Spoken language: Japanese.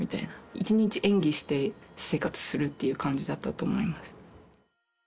一日演技して生活するっていう感じだったと思います。